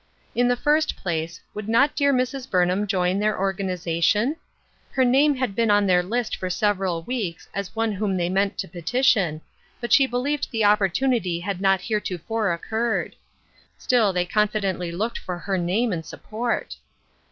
In the first place, would not clear Mrs. Burnham join their organization ? Her name had been on their list for several weeks as one whom they meant to petition, but she believed the oppor tunity had not heretofore occurred. Still, they confidently looked for her name and support.